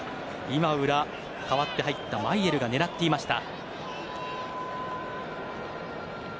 今、裏代わって入ったマイェルが狙っていました。